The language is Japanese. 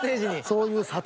そういう里。